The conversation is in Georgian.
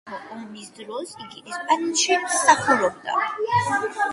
სამოქალაქო ომის დროს იგი ესპანეთში მსახურობდა.